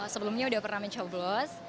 sebelumnya udah pernah mencoblos